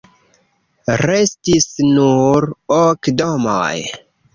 Restis nur ok domoj.